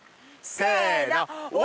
せの！